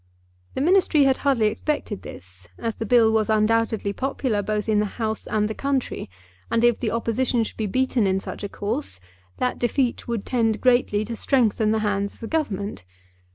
The Ministry had hardly expected this, as the Bill was undoubtedly popular both in the House and the country; and if the Opposition should be beaten in such a course, that defeat would tend greatly to strengthen the hands of the Government.